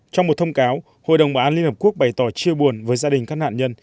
trong một thông cáo hội đồng bảo an liên hợp quốc bày tỏ chia buồn với gia đình các nạn nhân